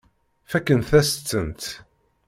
Fakkent-as-tent.